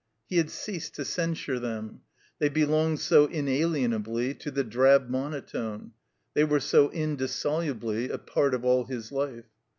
He had ceased to censure them; they belonged so inalienably to the drab monotone; they were so indissolubly a part of all his life.